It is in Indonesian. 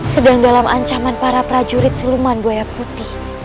sedang dalam ancaman para prajurit suluman buaya putih